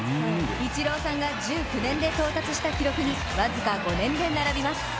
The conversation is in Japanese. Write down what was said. イチローさんが１９年で到達した記録に僅か５年で到達します。